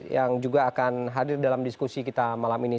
yang juga akan hadir dalam diskusi kita malam ini